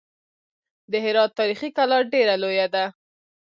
د هرات تاریخي کلا ډېره لویه ده.